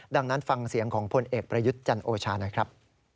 ดังนั้นฟังเสียงของพลเอกประยุทธ์จันโอชาหน่อยครับ